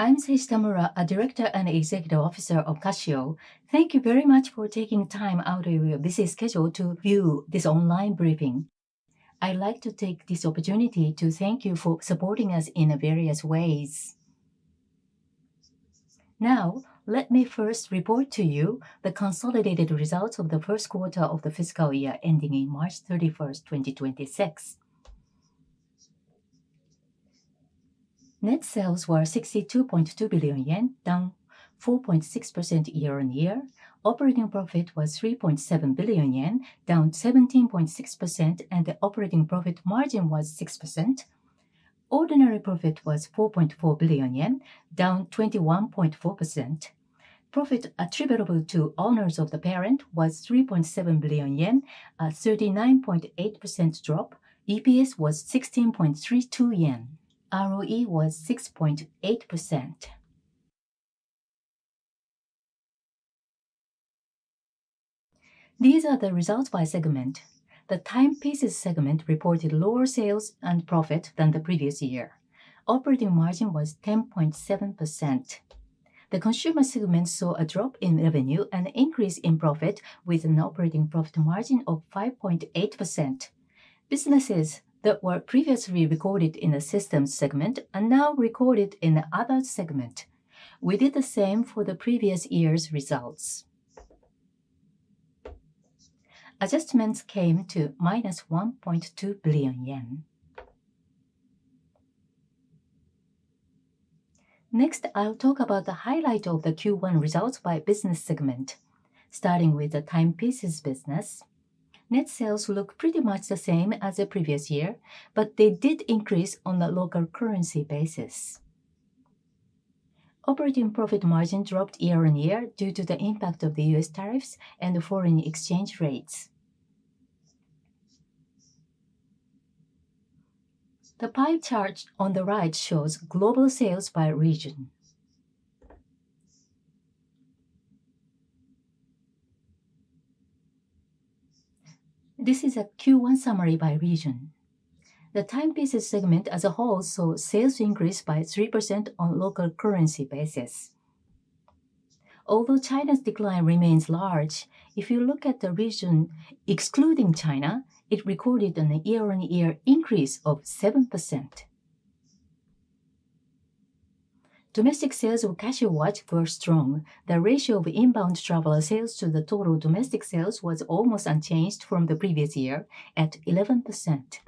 I'm Seiji Tamura, a Director and Executive Officer of Casio. Thank you very much for taking time out of your busy schedule to view this online briefing. I'd like to take this opportunity to thank you for supporting us in various ways. Now, let me first report to you the consolidated results of the first quarter of the fiscal year ending March 31, 2026. Net sales were 62.2 billion yen, down 4.6% year-on-year. Operating profit was 3.7 billion yen, down 17.6%, and the operating profit margin was 6%. Ordinary profit was 4.4 billion yen, down 21.4%. Profit attributable to owners of the parent was 3.7 billion yen, a 39.8% drop. EPS was 16.32 yen. ROE was 6.8%. These are the results by segment. The timepieces segment reported lower sales and profit than the previous year. Operating margin was 10.7%. The consumer segment saw a drop in revenue and an increase in profit with an operating profit margin of 5.8%. Businesses that were previously recorded in the systems segment are now recorded in the other segment. We did the same for the previous year's results. Adjustments came to -JPY 1.2 billion. Next, I'll talk about the highlight of the Q1 results by business segment. Starting with the timepieces business, net sales look pretty much the same as the previous year, but they did increase on the local currency basis. Operating profit margin dropped year-on-year due to the impact of the U.S. tariffs and the foreign exchange rates. The pie chart on the right shows global sales by region. This is a Q1 summary by region. The timepieces segment as a whole saw sales increase by 3% on a local currency basis. Although China's decline remains large, if you look at the region excluding China, it recorded a year-on-year increase of 7%. Domestic sales of Casio watch were strong. The ratio of inbound travel sales to the total domestic sales was almost unchanged from the previous year at 11%.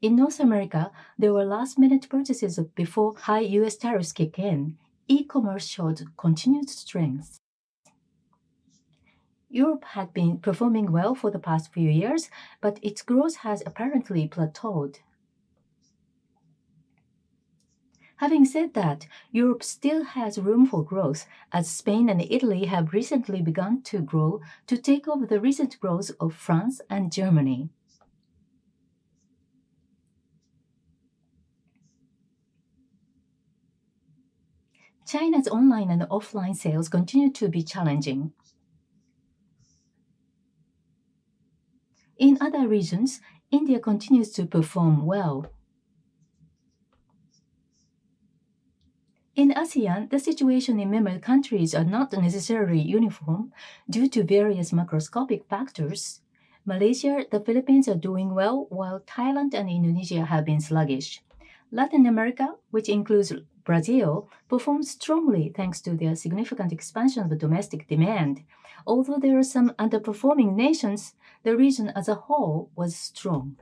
In North America, there were last-minute purchases before high U.S. tariffs kicked in. E-commerce showed continued strength. Europe had been performing well for the past few years, but its growth has apparently plateaued. Europe still has room for growth, as Spain and Italy have recently begun to grow to take up the recent growth of France and Germany. China's online and offline sales continue to be challenging. In other regions, India continues to perform well. In ASEAN, the situation in many countries is not necessarily uniform due to various macroscopic factors. Malaysia and the Philippines are doing well, while Thailand and Indonesia have been sluggish. Latin America, which includes Brazil, performs strongly thanks to their significant expansion of domestic demand. Although there are some underperforming nations, the region as a whole was strong.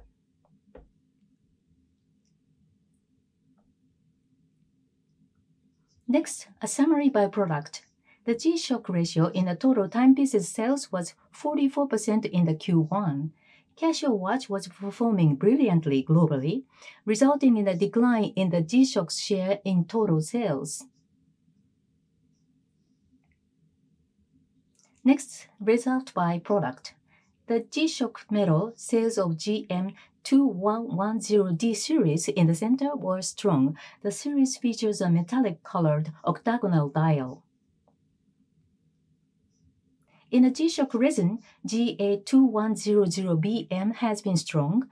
Next, a summary by product. The G-SHOCK ratio in the total timepieces sales was 44% in Q1. Casio watch was performing brilliantly globally, resulting in a decline in the G-SHOCK's share in total sales. Next, results by product. The G-SHOCK metal sales of the GM-2110D series in the center were strong. The series features a metallic-colored octagonal dial. In the G-SHOCK resin, GA-2100BM has been strong.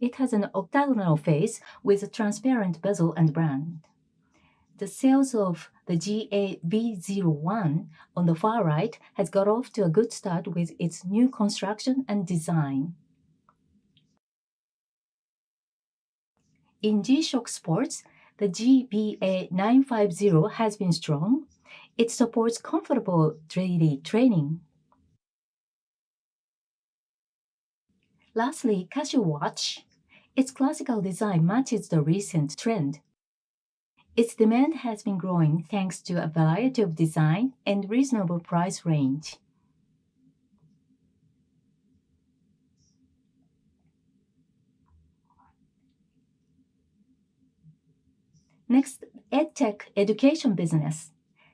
It has an octagonal face with a transparent bezel and brand. The sales of the GA-B01 on the far right have got off to a good start with its new construction and design. In G-SHOCK sports, the GBA-950 has been strong. It supports comfortable daily training. Lastly, Casio watch. Its classical design matches the recent trend. Its demand has been growing thanks to a variety of designs and a reasonable price range. Next, EdTech education business.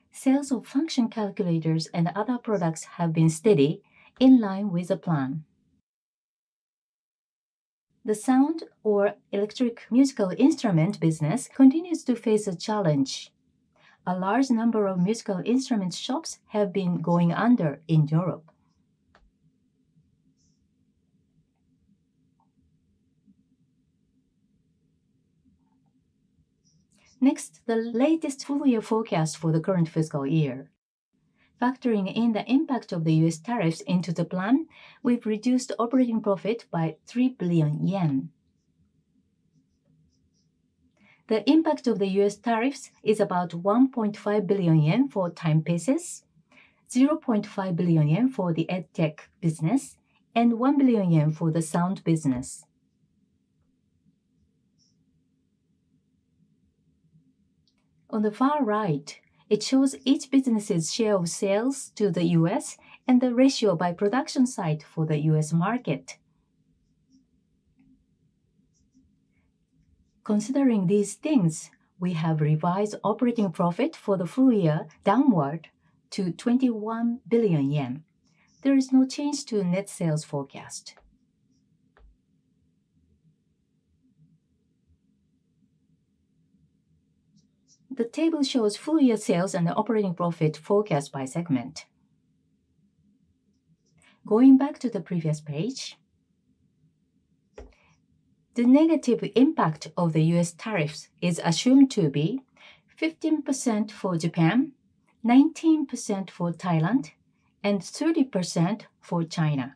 Sales of function calculators and other products have been steady, in line with the plan. The sound or electric musical instrument business continues to face a challenge. A large number of musical instrument shops have been going under in Europe. Next, the latest full-year forecast for the current fiscal year. Factoring in the impact of the U.S. tariffs into the plan, we've reduced operating profit by 3 billion yen. The impact of the U.S. tariffs is about 1.5 billion yen for timepieces, 0.5 billion yen for the EdTech business, and 1 billion yen for the sound business. On the far right, it shows each business's share of sales to the U.S. and the ratio by production site for the U.S. market. Considering these things, we have revised operating profit for the full year downward to 21 billion yen. There is no change to the net sales forecast. The table shows full-year sales and the operating profit forecast by segment. Going back to the previous page, the negative impact of the U.S. tariffs is assumed to be 15% for Japan, 19% for Thailand, and 30% for China.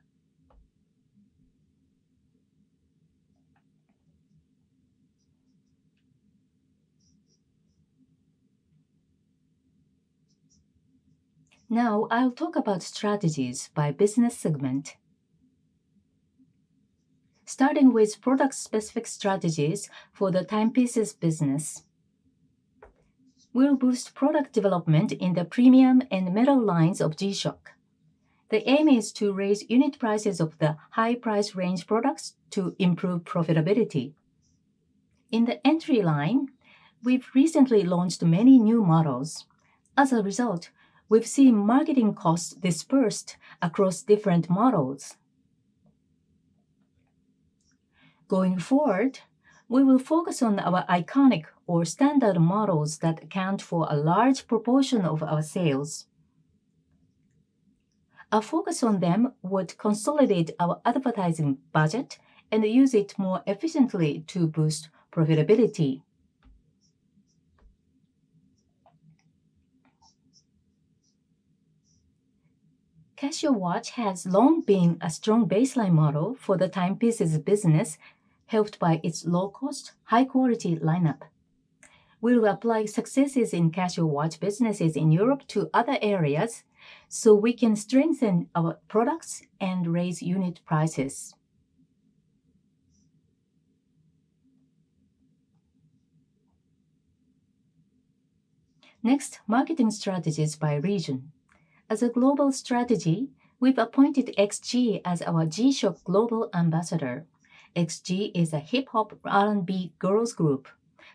Now, I'll talk about strategies by business segment. Starting with product-specific strategies for the timepieces business, we'll boost product development in the premium and metal lines of G-SHOCK. The aim is to raise unit prices of the high price range products to improve profitability. In the entry line, we've recently launched many new models. As a result, we've seen marketing costs dispersed across different models. Going forward, we will focus on our iconic or standard models that account for a large proportion of our sales. A focus on them would consolidate our advertising budget and use it more efficiently to boost profitability. Casio watch has long been a strong baseline model for the timepieces business, helped by its low-cost, high-quality lineup. We'll apply successes in Casio watch businesses in Europe to other areas so we can strengthen our products and raise unit prices. Next, marketing strategies by region. As a global strategy, we've appointed XG as our G-SHOCK global ambassador. XG is a hip-hop R&B girls' group.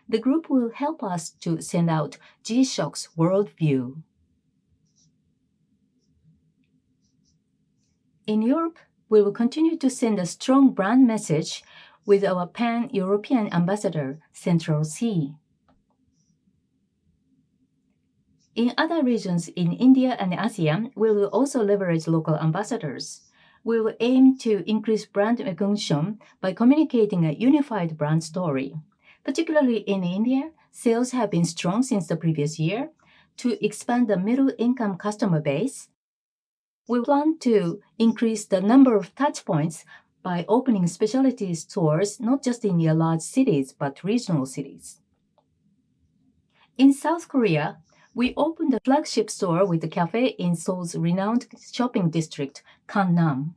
The group will help us to send out G-SHOCK's worldview. In Europe, we will continue to send a strong brand message with our pan-European ambassador, Central Cee. In other regions in India and ASEAN, we will also leverage local ambassadors. We will aim to increase brand recognition by communicating a unified brand story. Particularly in India, sales have been strong since the previous year. To expand the middle-income customer base, we plan to increase the number of touchpoints by opening specialty stores not just in the large cities but regional cities. In South Korea, we opened a flagship store with a café in Seoul's renowned shopping district, Gangnam.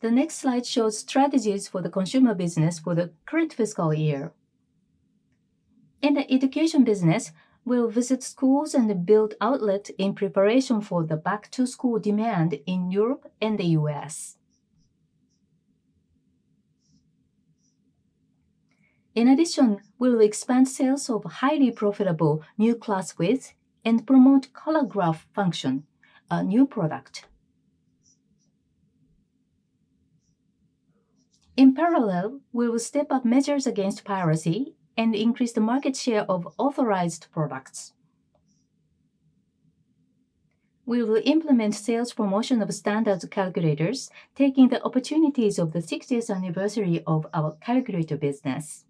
The next slide shows strategies for the consumer business for the current fiscal year. In the education business, we'll visit schools and build outlets in preparation for the back-to-school demand in Europe and the U.S. In addition, we'll expand sales of highly profitable new class widths and promote the Color Graph function, a new product. In parallel, we will step up measures against piracy and increase the market share of authorized products. We will implement sales promotion of standard calculators, taking the opportunities of the 60th anniversary of our calculator business.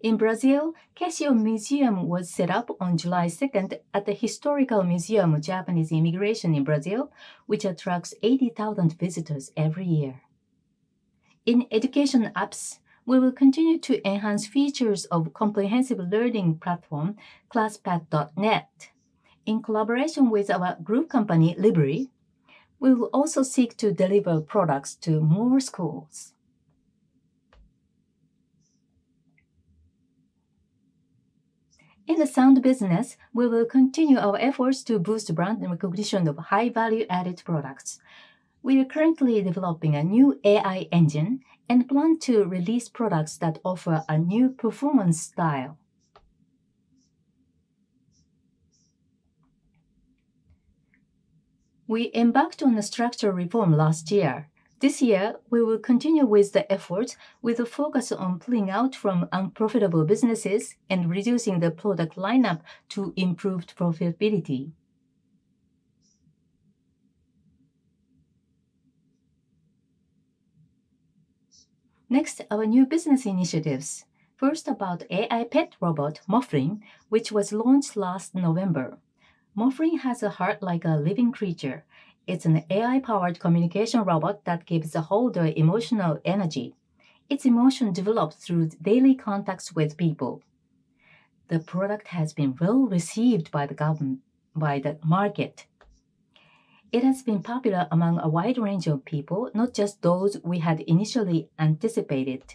In Brazil, Casio Museum was set up on July 2 at the Historical Museum of Japanese Immigration in Brazil, which attracts 80,000 visitors every year. In education apps, we will continue to enhance features of the comprehensive learning platform, classpad.net. In collaboration with our group company, [Libri], we will also seek to deliver products to more schools. In the sound business, we will continue our efforts to boost brand recognition of high-value-added products. We are currently developing a new AI engine and plan to release products that offer a new performance style. We embarked on a structural reform last year. This year, we will continue with the effort with a focus on pulling out from unprofitable businesses and reducing the product lineup to improve profitability. Next, our new business initiatives. First, about AI pet robot, Moflin, which was launched last November. Moflin has a heart like a living creature. It's an AI-powered communication robot that gives the holder emotional energy. Its emotion develops through daily contacts with people. The product has been well received by the market. It has been popular among a wide range of people, not just those we had initially anticipated.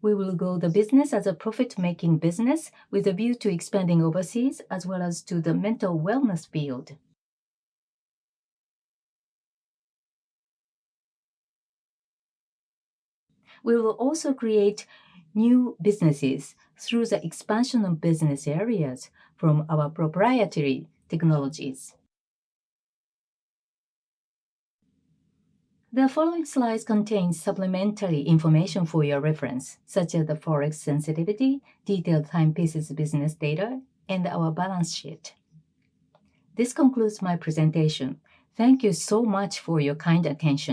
We will grow the business as a profit-making business with a view to expanding overseas, as well as to the mental wellness field. We will also create new businesses through the expansion of business areas from our proprietary technologies. The following slides contain supplementary information for your reference, such as the forex sensitivity, detailed timepieces business data, and our balance sheet. This concludes my presentation. Thank you so much for your kind attention.